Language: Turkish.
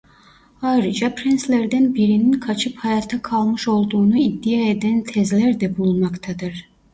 Ayrıca prenslerden birinin kaçıp hayatta kalmış olduğunu iddia eden tezler de bulunmaktadır.